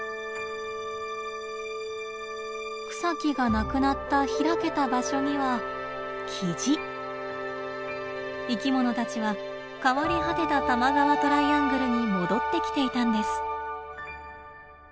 草木がなくなった開けた場所には生きものたちは変わり果てた多摩川トライアングルに戻ってきていたんです。